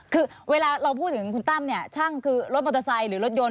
คือเวลาเราพูดถึงคุณตั้มเนี่ยช่างคือรถมอเตอร์ไซค์หรือรถยนต